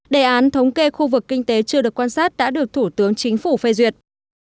đề án thống kê khu vực kinh tế chưa được quan sát đã được thủ tướng chính phủ phê duyệt